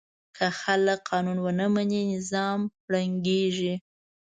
که خلک قانون ونه مني، نظام ړنګېږي.